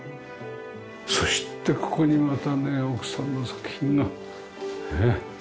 そしてここにまたね奥さんの作品がねえ。